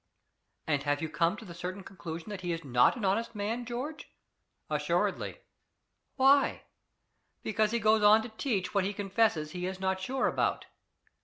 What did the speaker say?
"And you have come to the certain conclusion that he is not an honest man, George?" "Assuredly." "Why?" "Because he goes on to teach what he confesses he is not sure about."